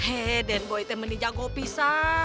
eh den boy kamu menjaga kita